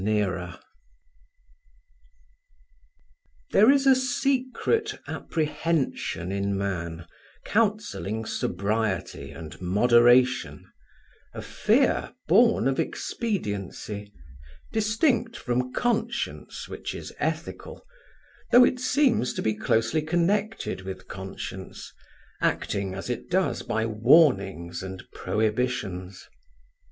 CHAPTER XI There is a secret apprehension in man counselling sobriety and moderation, a fear born of expediency distinct from conscience, which is ethical; though it seems to be closely connected with conscience acting, as it does, by warnings and prohibitions.